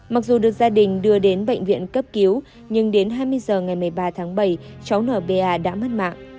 mặc dù được gia đình đưa đến bệnh viện cấp cứu nhưng đến hai mươi h ngày một mươi ba tháng bảy cháu n ba đã mất mạng